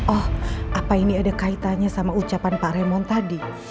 oh apa ini ada kaitannya sama ucapan pak remon tadi